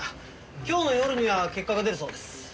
今日の夜には結果が出るそうです。